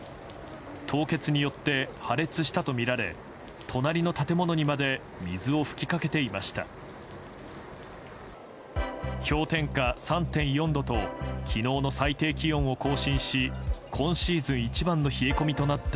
凍結によって破裂したとみられ隣の建物にまで水を噴きかけていました。